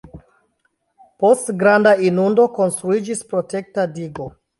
Post granda inundo konstruiĝis protekta digo.